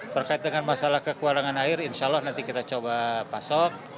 terkait dengan masalah kekurangan air insya allah nanti kita coba pasok